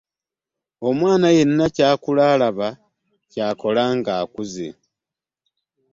Omwana yenna ky'akula alaba ky'akola nga akuze.